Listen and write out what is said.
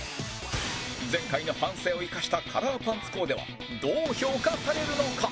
前回の反省を生かしたカラーパンツコーデはどう評価されるのか？